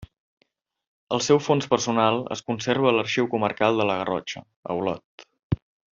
El seu fons personal es conserva a l'Arxiu Comarcal de la Garrotxa, a Olot.